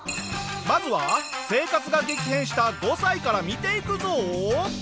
まずは生活が激変した５歳から見ていくぞ！